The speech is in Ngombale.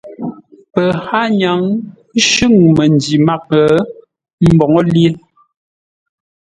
Pəhányaŋ shʉ̂ŋ məndǐ mághʼə mboŋə́ wé.